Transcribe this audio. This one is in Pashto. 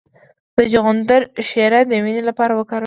د چغندر شیره د وینې لپاره وکاروئ